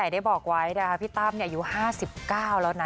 แล้วพี่ต้ามอายุ๕๙แล้วนะ